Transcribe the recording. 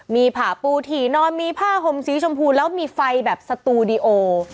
มีผ่าปูถี่นอนมีผ้าห่มสีชมพูแล้วมีไฟแบบสตูดิโอ